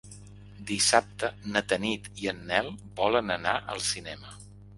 Dissabte na Tanit i en Nel volen anar al cinema.